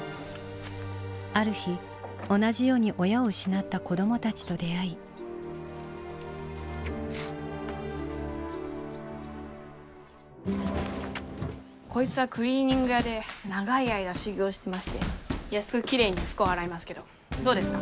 ある日同じように親を失った子どもたちと出会いこいつはクリーニング屋で長い間修業してまして安くきれいに服を洗いますけどどうですか？